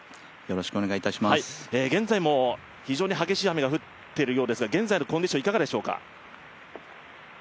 現在も非常に激しい雨が降っているようですが、現在のコンディションはいかがでしょうか？